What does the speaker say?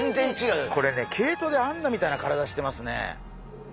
これね毛糸で編んだみたいな体してますね。